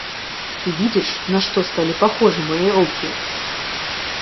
Ты видишь, на что стали похожи мои руки?